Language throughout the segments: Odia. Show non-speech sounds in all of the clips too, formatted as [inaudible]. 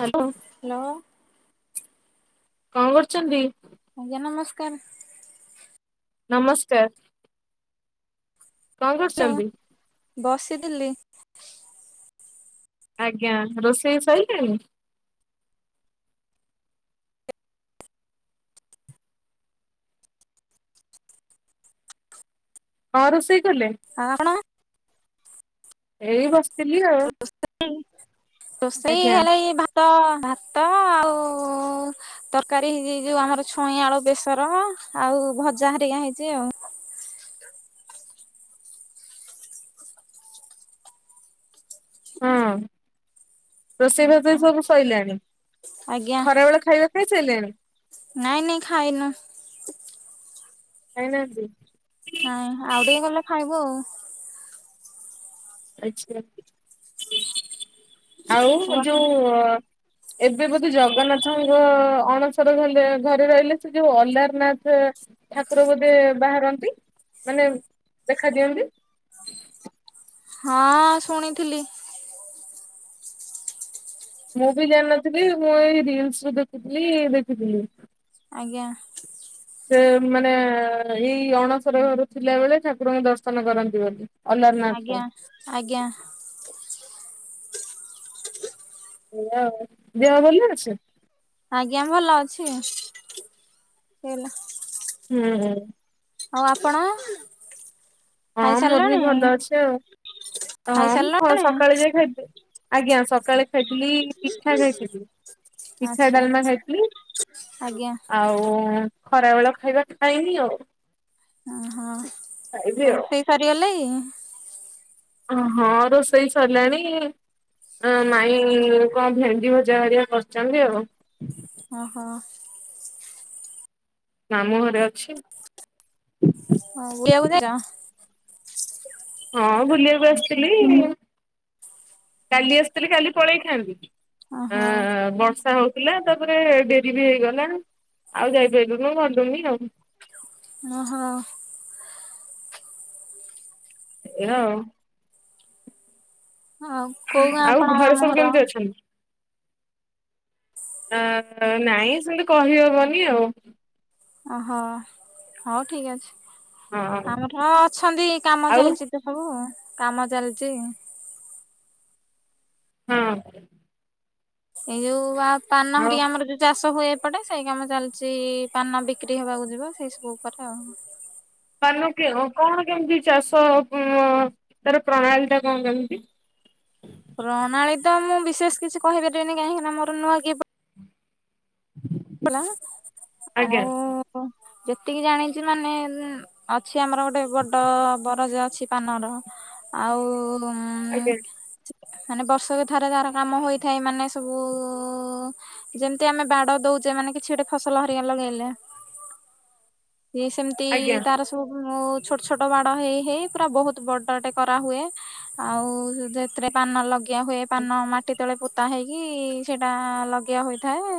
ହ୍ୟାଲୋ ହ୍ୟାଲୋ କଣ କରୁଛନ୍ତି? ଆଜ୍ଞା ନମସ୍କାର। ନମସ୍କାର। କଣ ହ୍ୟାଲୋ କରୁଛନ୍ତି? ବସିଥିଲି। ଆଜ୍ଞା ରୋଷେଇ ସଇଲାଣି। ହଁ ରୋଷେଇ କଲେ। ଆଆ ପଣ? ଏଇ ବସ। ରୋଷେଇ ରୋଷେଇ ଆଜ୍ଞା ହେଲେ ଏଇ ଭାତ ଭାତ ଆଉ। ହ। ତରକାରୀ ହେଇଛି ଯୋଉ ଆମର ଛୁଇଁ ଆଳୁ ବେସର ଆଉ ଭଜା ହରିକା ହେଇଛି ଆଉ। ହଁ ରୋଷେଇ ଭାତ ସବୁ ସୋଇଲାଣି ଆଜ୍ଞା ଖରା ବେଳେ ଖାଇବା। ଖାଇ ସାଇଲେନି। ନାଇଁ ନାଇଁ ଖାଇନୁ। ଖାଇନାହାନ୍ତି। ନାଇଁ ଆଉ ଟିକେ ଗଲେ ଖାଇବୁ ଆଉ ଆଛା ଆଉ ଯୋଉ ଏବେ ବୋଧେ ଜଗନ୍ନାଥଙ୍କ ଅଣସର ଗଲେ ଘରେ ରହିଲେ ସେ ଯୋଉ ଅଲାରନାଥରେ ଏହାପରେ ବୋଧେ ବାହାରନ୍ତି ମାନେ ଦେଖା ଦିଅନ୍ତି। ହଁ ଶୁଣିଥିଲି। ମୁଁ ବି ଜାଣିନଥିଲି ମୁଁ ଏଇ ରିଲସ ଦେଖୁଥିଲି ଦେଖିଥିଲି। ଆଜ୍ଞା। ସେ ମାନେ ଏଇ ଅଣସର ଘରୁ ଥିଲା ବେଳେ ଠାକୁରଙ୍କ ଦର୍ଶନ କରନ୍ତି ବୋଲି। ଅଲାରନାଥଙ୍କୁ ଆଜ୍ଞା ଆଜ୍ଞା। ଉ ଦେହ ଭଲ ଅଛି। ଆଜ୍ଞା ଭଲ ଅଛି ହେଲା। ହୁଁ ହୁଁ। ଆଉ ଆପଣ? ହଁ ମୋର ବି ଭଲ ଖାଇସାରିଲଣି ଅଛି ଆଉ ହଁ ମୁଁ ଖାଇସାରିଲଣି ସକାଳେ ଯାଇ ଖାଇଥିଲି। ଆଜ୍ଞା ସକାଳେ ଖାଇଥିଲି ପିଠା ଖାଇଥିଲି ପିଠା ଆଚ୍ଛା ଡାଲମା ଖାଇଥିଲି। ଆଜ୍ଞା ଆଉ ଖରାବେେଳ ଖାଇବା ଖାଇନି ଆଉ ଖାଇବି ଓହୋ ଆଉ। ରୋଷେଇ ସରିଗଲାଣୀ। ହଁ ହଁ ରୋଷେଇ ସରିଲାଣି। ହ ମାଇଁ କଣ ଭେଣ୍ଡିଭଜା ହେରୀକା କରିଛନ୍ତି। ଆଉ ଓ ହୋ। ମାମୁଁ ଘରେ ଅଛି। [inaudible] ହଁ ବୁଲିବାକୁ ଆସିଥିଲି କାଲି ଆସିଥିଲି କାଲି ପଳେଇ ଥାଆନ୍ତି। ଆ ଓହୋ ବର୍ଷା ହଉ ଲା ତାପରେ ଡେରି ବି ହେଇଗଲା ଆଉ ଯାଇପାରିଲୁନୁ ଗଲୁନି ଆଉ ଓହୋ। ଏହ। ହ କୋଉ ଗାଁ ଆଉ ଆପଣଙ୍କ ଘରେ ସବୁ ମାମୁଁ ଘର? କେମିତି ଅଛନ୍ତି? ନା ନାଇଁ ସେମିତି କହିହେବନି ଆଉ ଓହୋ ହଉ ଠିକ ଅଛି ହଁ ଆମର ଅଛନ୍ତି କାମ ଆଉ ଚାଲିଛି। ଏ ସବୁ କାମ ଚାଲିଛି। ହୁଁ। ଏଇ ଯୋଉ ଆ ପାନ ଆଉ ହେରିକା ଆମର ଯୋଉ ଚାଷ ହୁଏ। ଏପଟେ ସେଇ କାମ ଚାଲିଛି ପାନ ବିକ୍ରି ହବାକୁ ଯିବା ସେଇ ସବୁ ଉପରେ ଆଉ ପାନ କଣ କେମିତି ଚାଷ ତାର ପ୍ରଣାଳୀଟା କଣ କେମିତି? ପ୍ରଣାଳୀ ତ ମୁଁ ବିଶେଷ କିଛି କହିପାରିବିନି କାହିଁକି ନା ମୋର ନୂଆ କି ଲା ଆଜ୍ଞା ଆଉ ଯେତିକି ଜାଣିଛି ମାନେ ଅଛି ଆମର ଗୋଟେ ବଡ ବରଜ ଅଛି ପାନର ଆଉ ଆଜ୍ଞା। ମାନେ ବର୍ଷକ ଥରେ ତାର କାମ ହୋଇଥାଏ ମାନେ ସବୁ ଯେମିତି ଆମେ ବାଡ ଦଉ ଯେ ମାନେ କିଛି ଗୋଟେ ଫସଲ ହରିଆ ଲଗେଇଲେ ସେମିତି ଆଜ୍ଞା ତାର ତୁ ମୁଁ ଛୋଟ ଛୋଟ ବାଡ଼ ହେଇ ହେଇ ପୁରା ବହୁତ ବାଡଟେ କରାହୁଏ। ଆଉ ଯେ ସେଥିରେ ପାନ ଲଗିଆ ହୁଏ ପାନ ମାଟି ତଳେ ପୋତା ହେଇକି ସେଇଟା ଲଗିଆ ହୋଇଥାଏ।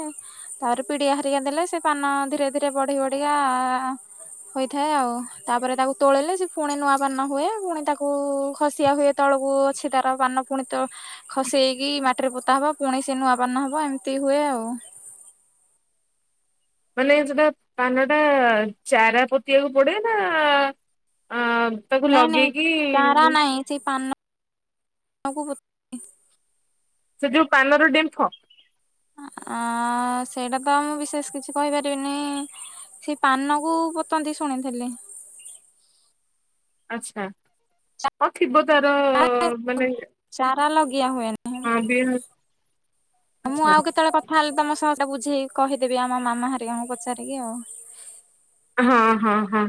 ତାପରେ ପିଡିଆ ହାରିକା ଦେଲେ ସେ ପାନ ଧୀରେ ଧୀରେ ବଢି ବଢିକି ଆ ହୋଇଥାଏ ଆଉ ତାପରେ ତାକୁ ତୋଳେଇଲେ ସେ ପୁଣି ନୂଆପାନ ହୁଏ ପୁଣି ତାକୁ ଖସିଆ ହୁଏ। ତଳକୁ ଅଛି ତାର ପାନ ପୁଣିତ ଖସେଇ କି ମାଟିରେ ପୋତା ହବ ପୁଣି ସେ ନୂଆପାନ ନ ହବ ଏମିତି ହୁଏ ଆଉ ମାନେ ଯୋଉଟା ପାନଟା ଚାରା ପୋତିଆକୁ ପଡେ ନା ଆ ନାଇଁ ନାଇଁ ଚାରା ନାହିଁ ସେ ପାନ କୁ ପ ସେ ଯୋଉ ପାନର ଡେମ୍ଫ? ଅ, ସେଇଟା ତ ମୁଁ ବିଶେଷ କିଛି କହିପାରିବିନି। ସେ ପାନ କୁ ପୁତନ୍ତି ଶୁଣିଥିଲି। ଆଚ୍ଛା, ହଁ ଥିବ ତାର ମାନେ ଚାରା ଲଗିଆ ହୁଏନି ହଁ ବିହ, ଆଚ୍ଛା। ତାହେଲେ ତୋମ ସହ ସେଟା ବୁଝେଇ କହିଦେବି ଆମ ମାମା ହେରିକାଙ୍କୁ ପଚାରିକି ଆଉ। ହଁ, ହଁ, ହଁ।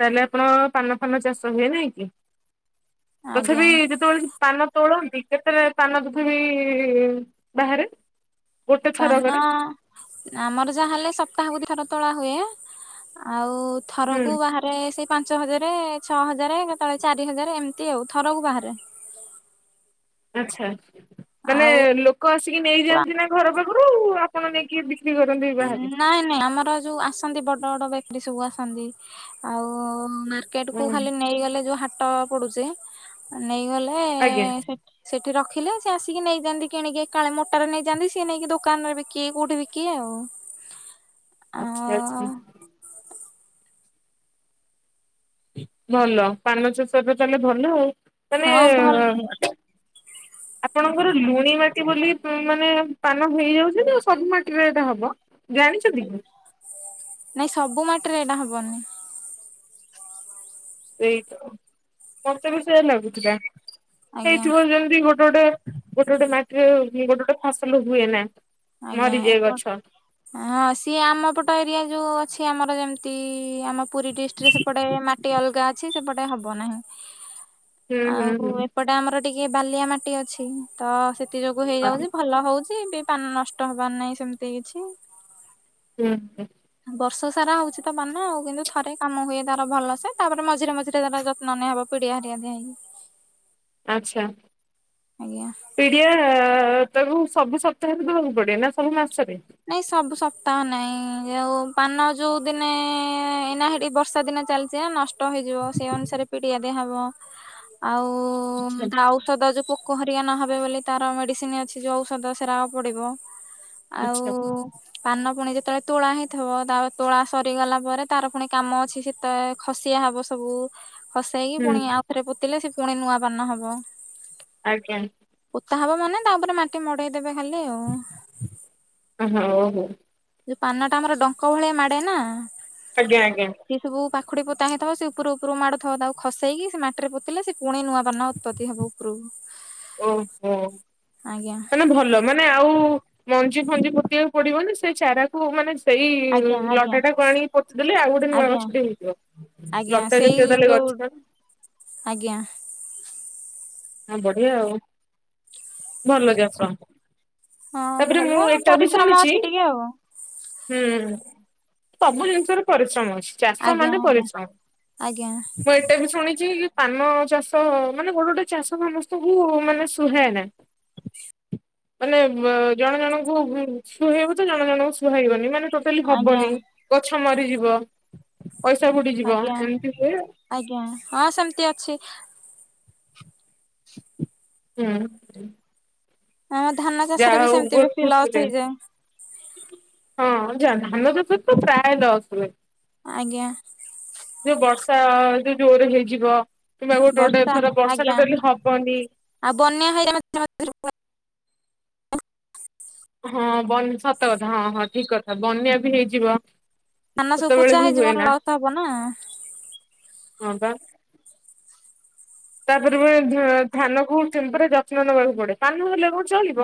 ତାହେଲେ ଆପଣଙ ପାନ ଫାନ ଚାଷ ହୁଏ ନାଇଁ କି? ଆଜ୍ଞା ତଥାପି ଯେତେବେଳେ ସେ ପାନ ତୋଳନ୍ତି କେତେ ଯେ ପାନ ତଥାବି ବାହାରେ? ଗୋଟେ ପାନ ଥରକରେ ଆମର ଯାହା ହେଲେ ସପ୍ତାହ କୁ ଦି ଥର ତୋଳା ହୁଏ। ଆଉ ହୁଁ ଥରକୁ ବାହା ରେ ସେଇ ପାଞ୍ଚ ହଜାରେ, ଛଅ ହଜାରେ କେତେବେଳେ ଚାରି ହଜାର ଏମିତି ଆଉ ଥରକୁ ବାହାରେ। ଆଚ୍ଛା, ମାନେ ଆଉ ଲୋକ ଆସିକି ନେଇଯାଆନ୍ତି ନା ଘର ପାଖରୁ ଆପଣ ନେଇକି ବିକ ନାଇଁ ନାଇଁ ଆମର ଯୋଉ ଆସ ସନ୍ତି ବଡ ବଡ ବେକରି ସବୁ ଆସନ୍ତି। ଆଉ ମାର୍କେଟ୍ ହୁଁ କୁ ଖାଲି ନେଇଗଲେ ଯୋଉ ହା ଟ ପଡୁଚି, ନେଇଗଲେ ଆଜ୍ଞା ସେ ସେଠି ରଖିଲେ ସେ ଆସିକି ନେଇଯାଆନ୍ତି କିଣିକି ଏକାଳେ ମୋଟାର ନେଇଯାଆନ୍ତି। ସିଏ ନେଇକି ଦୋକାନ ରେ ବିକିବେ କୋଉଠି ବିକିବେ ଆଉ। ଆଚ୍ଛା, ଆଉ ଆଚ୍ଛା। ଭଲ ପାନ ଚାଷରେ ତାହେଲେ ଭଲ। ତୋମେ ହଁ ଭଲ ଅ, ଆପଣଙ୍କର ଲୁଣି ମାଟି ବୋଲି ପୁ-ମାନେ ପାନ ହେଇଯାଉଛି ନା ସବୁ ମାଟିରେ ଏଟା ହବ? ଜାଣିଛନ୍ତି କି? ନାଇଁ ସବୁ ମାଟିରେ ଏଇଟା ହବନି। ସେଇଟା ଓହୋ, ମୋତେ ବି ସେୟା ଲାଗୁଥିଲା। ଆଜ୍ଞା ହେଇଥିବ ଯେମ ତି ଗୋଟେ ଗୋଟେ ଗୋଟେ ଗୋଟେ ମାଟିରେ ହୁଁ, ଗୋଟେ ଗୋଟେ ଫସଲ ହୁଏ ନା। ଆଜ୍ଞା, ମରିଯାଏ ଏପଟ, ଗଛ। ହଁ ସିଏ ଆମ ପଟ ଏରିଆ ଯୋଉ ଅଛି ଆମର ଯେମିତି ଆମ ପୁରୀ ଡିଷ୍ଟ୍ରିକ୍ଟରେ ସେପଟେ ମାଟି ଅଲଗା ଅଛି ସେପଟେ ହବ ନାହିଁ। ହୁଁ ହୁଁ ଆଉ ହୁଁ ଏପଟେ ଆମର ଟିକେ ବାଲିଆ ମାଟି ଅଛି। ତ ସେ ତି ଯୋଗୁ ହେଇଯାଉଛି, ଭଲ ହଉଛି ବି ପାନ ନଷ୍ଟ ହବାର ନାହିଁ ସେମିତି କିଛି। ହୁଁ, ହୁଁ। ବର୍ଷ ସାରା ହଉଛି ତ ପାନ ଆଉ କିନ୍ତୁ ଥରେ କାମ ହୁଏ ତାର ଭଲସେ। ତାପରେ ମଝିରେ ମଝିରେ ତାର ଯତ୍ନ ନିଆ ହବ ପିଡ଼ିଆ ହେରିକା ଦିଆହେଇକି। ଆଚ୍ଛା। ଆଜ୍ଞା। ପିଡିଆ ତାକୁ ସବୁ ସପ୍ତାହରେ ଦବାକୁ ପଡେ ନା ସବୁ ମାସରେ? ନାଇଁ ସବୁ ସପ୍ତାହ ନାଇଁ, ଯୋଉ ପାନ ଯୋଉ ଦିନେ ଏଇନା ହେଠି ବର୍ଷା ଦିନେ ଚାଲିଛି ଏ ନଷ୍ଟ ହେଇଯିବ, ସେଇ ଅନୁସାରେ ପିଡିଆ ଦିଆ ହବ। ଆଉ ଆଚ୍ଛା ଉଁ, ଥାଉ ସଦା ଯୋଉ ପୋକ ହେରିକା ନହେବେ ବୋଲି ତାର ମେଡିସିନ୍ ଅଛି, ଯୋଉ ଔଷଦ ସେରାକ ପଡିବ। ଆଉ ଆଚ୍ଛା ପାନ ପୁଣି ଯେତେବେଳେ ତୋଳା ହେଇଥିବ ତା ପରେ ତୋଳା ସରିଗଲା ପରେ। ତାର ପୁଣି କାମ ଅଛି ସିତେ ଖସିଆ ହବ ସବୁ, ଖସେଇକି ହୁଁ ପୁଣି ଆଉ ଥରେ ପୁତିଲେ ସେ ପୁଣି ନୂଆ ପାନ ହବ। ଆଜ୍ଞା। ପୋତା ହବ ମାନେ ତାପରେ ମାଟି ମଡେଇଦେବେ ଖାଲି ଆଉ। ଆଁ, ହୋ, ଓହୋ। ଯୋଉ ପାନଟା ଆମର ଡଙ୍କ ଭଳିଆ ମାଡ଼େ ନା। ଆଜ୍ଞା, ଆଜ୍ଞା। ସିଏ ସବୁ ପାଖୁଡି ପୋତା ହେଇଥିବ ସେ ଉପୁରୁ ଉପୁରୁ ମାଡ଼ଥୁବ। ତାକୁ ଖସେଇକି ସେ ମାଟିରେ ପୋତିଲେ, ସେ ପୁଣି ନୂଆ ପାନ ଉତ୍ପତ୍ତି ହେବ ଉପରୁକୁ। ଓହୋ, ଆଜ୍ଞା ତାନେ ଭଲ। ମାନେ ଆଉ ମଞ୍ଜି ଫଞ୍ଜି ପୋତିିବାକୁ ପଡିବନି, ସେ ଚାରାକୁ ମାନେ ସେଇ ଆଜ୍ଞା ଆଜ୍ଞା ଲଟାଟାକୁ ଆଣିକି ପୋତିଦେଲେ ଆଉ ଗୋଟେ ନୂଆ ଆଜ୍ଞା ଗଛଟେ ହେଇଯିବ। ଆଜ୍ଞା ଲଟା ସେଇ ଜାତିୟ ତାହାଲେ ଯୋଉ ଗଛ ଆଜ୍ଞା। ହଁ ବଢିଆ ଆଉ ଭଲ ଚାଷ। ହଁ ତାପରେ ମୁଁ ଭଲ ଏଟା ବି ପରିଶ୍ରମ ଶୁଣିଛି ଅଛି ଟିକେ ଆଉ। ହୁଁ ସବୁ ଜିନିଷରେ ପରିଶ୍ରମ ଅଛି ଚାଷ ଆଜ୍ଞା ମାନେ ଆଜ୍ଞା ପରିଶ୍ରମ। ଆଜ୍ଞା ମୁଁ ଏଟା ବି ଶୁଣିଚି କି ପାନ ଚାଷ ମାନେ ଗୋଟେ ଗୋଟେ ଚାଷ ସମସ୍ତଙ୍କୁ ମାନେ ସୁହାଏନା। ମାନେ ମ୍ ଜଣ ଜଣଙ୍କୁ ଉଁ ସୁହେଇବ ତ ଜଣ ଜଣଙ୍କୁ ସୁହାଇବନି ମାନେ ଟୋଟାଲି ଆଜ୍ଞା ହବନି ଗଛ ମରିଯିବ ପଇସା ବୁଡ଼ିଯିବ ଆଜ୍ଞା ଏମିତି ହୁଏ। ଆଜ୍ଞା ହଁ ସେମତି ଅଛି। ଉଁ। ଆମ ଧାନ ଚାଷରେ ଯାହା ବି ହୋଉ ସେମିତି ବୋହୁତ ବେଶୀ ଖୁସି ଲସ୍ ଲାଗି ହେଇଯାଏ ହଁ ଯା ଧାନଚାଷରେ ତ ପ୍ରାୟ ଦଶ ଲା ଆଜ୍ଞା। ଯୋଉ ବର୍ଷା ଯୋଉ ଜୋରରେ ହେଇଯିବ କିମ୍ବା ଗୋଟେ ଗୋଟେ ବର୍ଷା ଥର ବର୍ଷା ଆଜ୍ଞା ଟୋଟାଲି ହବନି। ଆଉ ବନ୍ୟା ହଇରାମ୍ [inaudible] ହଁ ବନ୍ ସତକଥା ହଁ ହଁ ଠିକ କଥା ବନ୍ୟା ବି ହେଇଯିବ। କେତୋବେଳେ ବି ହୁଏନା। ତା ହବନା। ହଁ ପା। ତାପରେ ବି ଧା ଧାନକୁ ଚିନ୍ ଯତ୍ନ ନବାକୁ ପଡେ ତା ନହେଲେ କଣ ଚଳିବ।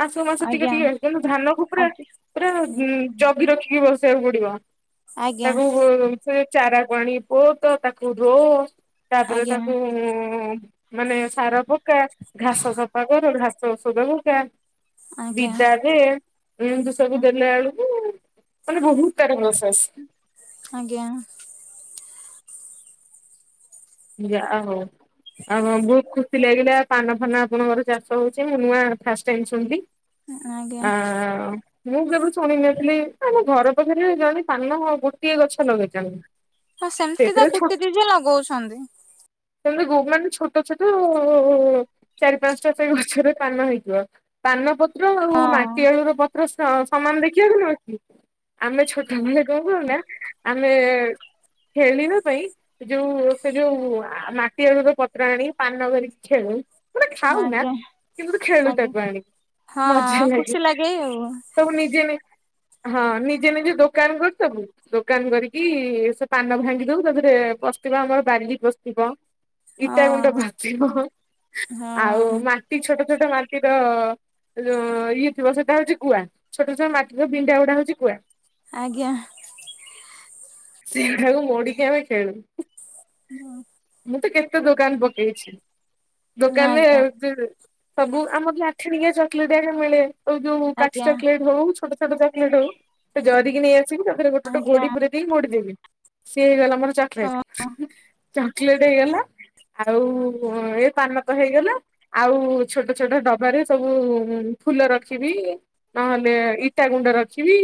ମାସକୁ ମାସ ଟିକେ ଆଜ୍ଞା ଦିଏ ତେଣୁ ଧାନକୁ ପୁରା ଆଜ୍ଞା ପୁରା ଉଁ ଜଗି ରଖିକି ବସେଇବାକୁ ପଡିବ ଆଜ୍ଞା ତାକୁ ସେ ଚାରାକୁ ଆଣି ପୋତ ତାକୁ ରୋ ତାପରେ ଆଜ୍ଞା ତାକୁ ହୁଁ ମାନେ ସାର ପକା, ଘାସ ସଫା କର, ଘାସ ଔଷଧ ପକା। ଆଜ୍ଞା ବିଦା ଦେ। ଏମତି ସବୁ ଦେଲା ବେଳକୁ ମାନେ ବୋହୁତ ତାର ପ୍ରୋସେସ୍। ଆଜ୍ଞା। ଯାହୋଉ ଆଉ ହଁ ବୋହୁତ ଖୁସି ଲାଗିଲା ପାନ ଫାନ ଆପଣଙ୍କର ଚାଷ ହୋଉଚି ମୁଁ ନୂଆ ଫାଷ୍ଟ ଟାଇମ ଶୁଣିଲି। ଆଜ୍ଞା ଆ ମୁଁ କେବେ ଶୁଣିିନଥିଲି ଆମ ଘର ପାଖରେ ଜଣେ ପାନ ହଁ ଗୋଟିଏ ଗଛ ଲଗେଇଚନ୍ତି। ହଁ ସେମତି ତ କୁତି ଦିଜେ ଲଗୋଉଛନ୍ତି। ସେମତି ଗୋ ମାନେ ଛୋଟ ଛୋଟ ଅ ଚାରି ପାଞ୍ଚଟା ସେଇ ଗଛରରେ ପାନ ହେଇଥିବ। ପାନ ପତ୍ର ଆଉ ହଁ ମାଟି ଆଳୁର ପତ୍ର ସ-ସମାନ ଦେଖିବାକୁ ନୁହଁକି? ଆମେ ଛୋଟ ବେଳେ କଣ କରୁନା ଆମେ ଖେଳିବା ପାଇଁ ଯୋଉ ସେ ଯୋଉ ଆ ମାଟି ଆଳୁର ପତ୍ର ଆଣି ପାନ କରିକି ଖେଳୁ। ମାନେ ଖାଉନା ଆଜ୍ଞା କିନ୍ତୁ ତ ଖେଳୁ ଆଜ୍ଞା ତାକୁ ଆଣିକି ହଁ ମଜା ଲାଗେ। ଖୁସି ଆଉ। ସବୁ ନିଜେ ନି ହଁ ନିଜେ ନିଜ ଦୋକାନ କରଦୋବୁ ଦୋକାନ କରିକି ସେ ପାନ ଭାଙ୍ଗି ଦୋଉ ତାପରେ ପସଥିବା ଆମର ବାଲି ପସଥିବ, ଇଟ ଗୁଣ୍ଡ ହଁ ପସଥିବ, ହଁ ଆଉ ମା ଟି ଛୋଟ ଛୋଟ ମାଟିର ଯୋଉ ଇଏ ଥିବ ସେଟା ହୋଉଚି ଗୁଆ ଛୋଟ ଛୋଟ ମାଟିର ବିଣ୍ଡାଗୁଡା ହୋଉଚି ଗୁଆ। ଆଜ୍ଞା। ସେଗୁଡାକୁ ମୋଡିକି ଆମେ ଖେଳୁୁ। ମୁଁ ତ କେତେ ଦୋକାନ ପକେଇଛି ଦୋକାନରେ ଆଜ୍ଞା ଯିବି ସବୁ ଆମର ବି ଆଠିଣିକିଆ ଚକଲେଟା [unintelligible] ମିଳେ ଆଉ ଯୋଉ କାଠି ଆଜ୍ଞା ଚକଲେଟ ହୋଉଚ୍ ଛୋଟ ଛୋଟ ଚକଲେଟ୍ ହୋଉ ସେ ଜରିକି ନେଇ ଆସିବି ତାଦେହରେ ଗୋଟେ ଗୋଟେ ଆଜ୍ଞା ଗୋଡି ପୁରେଇ ଦେଇକି ମୋଡି ଦେବି ସିଏ ହେଇଗଲା ମର ଚକଲେଟ ହଁ ଚକୋଲେଟ ହେଇଗଲା। ଆଉ ଏ ପାନ ତ ହେଇଗଲା ଆଉ ଛୋଟ ଛୋଟ ଡବାରେ ସବୁ ଫୁଲ ରଖିବି। ନହେଲେ ଇଟା ଗୁଣ୍ଡ ରଖିବି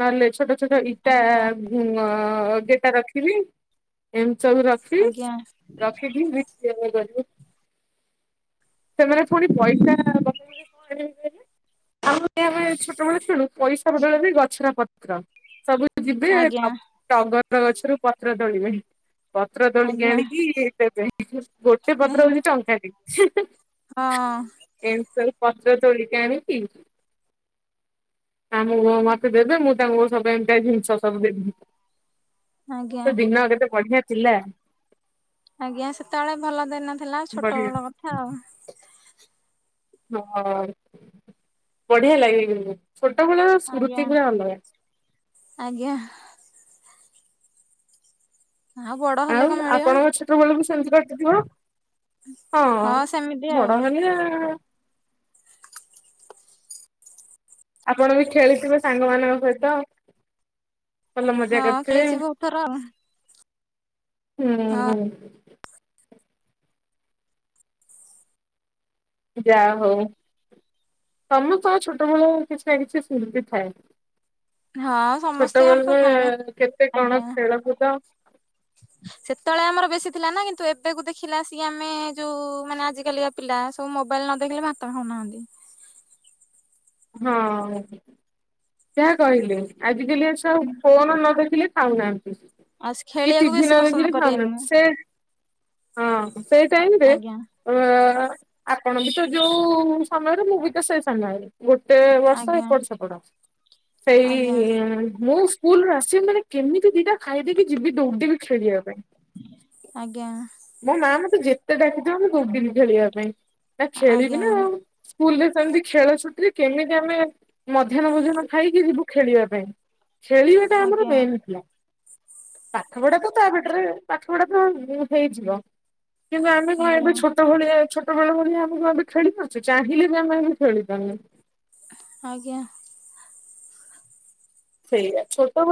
ନହେଲେ ଛୋଟ ଛୋଟ ଇ ଇଟା ଆଜ୍ଞା କେଇଟା ରଖିଲି ଏମିତି ସବୁ ର ଆଜ୍ଞା [inaudible] ସେମାନେ ପୁଣି ପଇସା ବତରେ କଣ ହେଇପାର। ଆଉ ଆମେ ଛୋଟବେଳ ଖେଳୁ ପଇସା ବଦଳରେ ଗଛର ପତ୍ର ସବୁ ଯିବେ ଆଜ୍ଞା ଡଙ୍ଗର ଗଛରୁ ପତ୍ର ତୋଳିବେ। ପତ୍ର ଦୋଳିକି ଆଜ୍ଞା ଆଣିକି ଗୋଟେ ପତ୍ର ହଉଛି ଟଙ୍କା ଟ। ହଁ କେଉଁ କେଉଁ ପତ୍ର ତୋଲିକି ଆଣି କି। ଆମ ମତେ ଦେବେ ମୁଁ ତାଙ୍କୁ ସବୁ ଏମିତି ଜିନିଷ ସବୁ ଦେବି। ଆଜ୍ଞା ସେ ଦିନ କେତେ ବଢିଆ ଥିଲା। ଆଜ୍ଞା ସେତେବେଳେ ଭଲ ଦିନ ଥିଲା ଛୋଟ ବଢିଆ ବେଳ କଥା ଆଉ। ହଁ ବଢିଆ ଲାଗେ ଛୋଟବେଳର ଆଜ୍ଞା ସ୍ମୃତି ପୁରା ଅଲଗା। ଆଜ୍ଞା ଆଉ ବଡ ଆଉ ହେଲେ କଣ ମିଳିବ? ଆପଣଙ୍କ ଛୋଟ ବେଳକୁ ସେମତି କାଟିଥିବ ହଁ ସେମିତି ଆଉ ବଡ ହେଲେ। ଆପଣ ବି ଖେଳିଥିବେ ସାଙ୍ଗ ମାନଙ୍କ ସହିତ। ଭଲ ମଜା ହଁ କରିଥିବେ। ଖେଳିଛି ବହୁତ ଥର ଆଉ ହୁଁ ହଁ ହୁଁ ଯା ହଉ। ତମ ସହ ଛୋଟବେଳ କିଛି ନା କିଛି ସିମିତି ଥାଏ। ହଁ ସମସ୍ତଙ୍କର ତ ଛୋଟବେଳ ଥାଏ କେତେ କଣ ଆଜ୍ଞା। ଖେଳକୁଦ। ସେତେବେଳେ ଆମର ବେଶୀ ଥିଲା ନା କିନ୍ତୁ ଏବେକୁ ଦେଖିଲା ସିଏ ଆମେ ଯୋଉ ମାନେ ଆଜିକାଲି। ପିଲା ସବୁ ମୋବାଇଲ ନ ଦେଖିଲେ ଭାତ ଖାଉନାହାନ୍ତି। ହଁ ଯାହା କହିଲେ ଆଜିକାଲିଆ ଛୁଆ ସବୁ ଫୋନ ନ ଦେଖିଲେ ଖାଉନାହାନ୍ତି ସେ ଆଉ ସେ କି ଖେଳିବାକୁ ଟିଭି ବେଶୀ ନ ପସନ୍ଦ ଦେଖିଲେ କରିବେନି ଖାଉନାହାନ୍ତି ସେ ହଁ ସେଇ ଆ- ଟାଇମ ରେ ଆଜ୍ଞା ଅ ଆପଣ ବି ତ ଯୋଉ ସମୟରେ ମୁଁ ବି ତ ସେଇ ସମୟରେ ଗୋଟେ ବର୍ଷ ଆଜ୍ଞା ଏପଟ ସେପଟ ସେଇ ଆଜ୍ଞା ମୁଁ ସ୍କୁଲ ରୁ ଆସିବି ମାନେ କେମିତି ଦିଟା ଖାଇ ଦେଇକି ଯିବି ଦୌଡ଼ିବି ଖେଳିବା ପାଇଁ। ଆଜ୍ଞା ମୋ ମା ମତେ ଯେତେ ଡାକିଥିବ ମୁଁ ଦୌଡ଼ିବି ଖେଳିବା ପାଇଁ ନା ଖେଳିବି ଆଜ୍ଞା ନା ଆଉ ସ୍କୁଲ ରେ ସେମିତି ଖେଳ ଛୁଟିରେ। କେମିତି ଆମେ ମଧ୍ୟାହ୍ନ ଭୋଜନ ଖାଇକି ଯିବୁ ଖେଳିବା ପାଇଁ। ଖେଳିବା ଟା ଆମର ଆଜ୍ଞା ମେନ୍ ଥିଲା। ପାଠପଢା ତ ତାବାଟରେ ପାଠପଢା ତ ହେଇଯିବ କିନ୍ତୁ ଆମେ କଣ ଆଜ୍ଞା ଏବେ ଛୋଟ ଛୋଟ ଭଳିଆ ଛୋଟ ବେଳ ଭଳିଆ ଆମକୁ ଆବେ ଖେଳି ପାରୁଛୁ ଚାହିଁଲେ ବି ଆମେ ଆମେ ଖେଳି ପାରୁନୁ। ଆଜ୍ଞା ସେଇଆ ଛୋଟ